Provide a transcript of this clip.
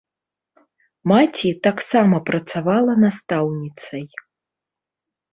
Маці таксама працавала настаўніцай.